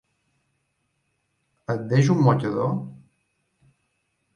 Et deixo un mocador?